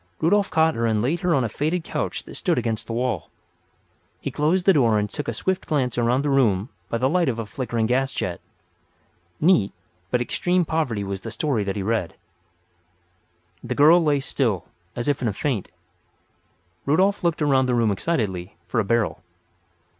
Rudolf caught her and laid her on a faded couch that stood against the wall. He closed the door and took a swift glance around the room by the light of a flickering gas jet. Neat, but extreme poverty was the story that he read. The girl lay still, as if in a faint. Rudolf looked around the room excitedly for a barrel.